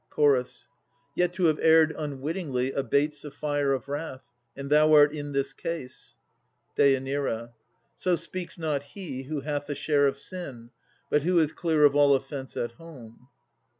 CH. Yet to have erred unwittingly abates The fire of wrath; and thou art in this case. DÊ. So speaks not he who hath a share of sin, But who is clear of all offence at home.